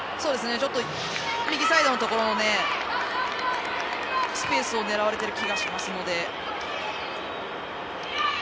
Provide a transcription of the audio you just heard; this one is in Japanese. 右サイドのところスペースを狙われてる気がしますので。